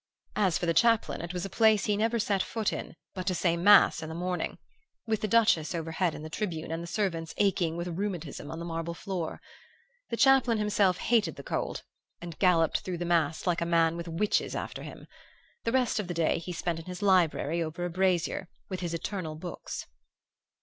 As for the chaplain, it was a place he never set foot in but to say mass in the morning, with the Duchess overhead in the tribune, and the servants aching with rheumatism on the marble floor. The chaplain himself hated the cold, and galloped through the mass like a man with witches after him. The rest of the day he spent in his library, over a brazier, with his eternal books....